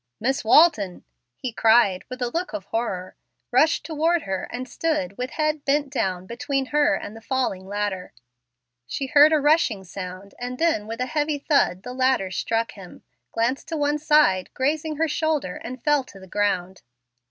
"Miss Walton!" he cried, with a look of horror; rushed toward her, and stood with head bent down between her and the falling ladder. She heard a rushing sound, and then with a heavy thud the ladder struck him, glanced to one side, grazing her shoulder, and fell to the ground.